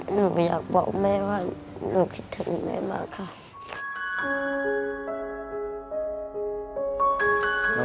หนูอยากบอกแม่ว่าหนูคิดถึงแม่มากค่ะ